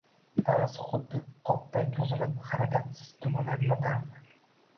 Tanasi xuddi qopday cho`zilib harakatsiz dumalab yotardi